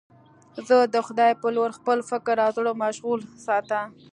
زه د خدای په لور خپل فکر او زړه مشغول ساته.